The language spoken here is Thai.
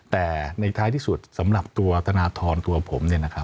แต่ในท้ายที่สุดสำหรับตัวธนทรตัวผม